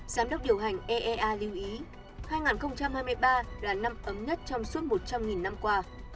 giám đốc điều hành eea lưu ý hai nghìn hai mươi ba là năm ấm nhất trong suốt một trăm linh năm qua